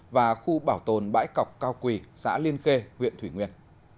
và khu bảo tồn bãi cọc cao quỳ xã liên khê huyện thủy nguyên